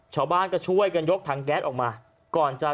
ชาวบ้านก็ช่วยกันยกถังแก๊สออกมาก่อนจะ